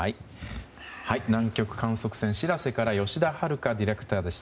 南極観測船「しらせ」から吉田遥ディレクターでした。